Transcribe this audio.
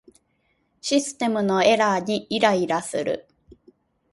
システムのエラーにイライラする